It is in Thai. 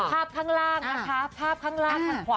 ข้างล่างนะคะภาพข้างล่างข้างขวา